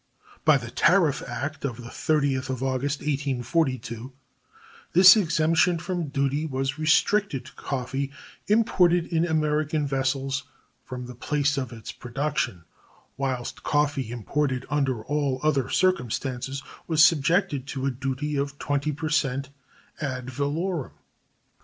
By the tariff act of the 30th of August, 1842, this exemption from duty was restricted to coffee imported in American vessels from the place of its production, whilst coffee imported under all other circumstances was subjected to a duty of 20 per cent ad valorem.